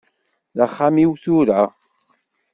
D axxam-iw tura.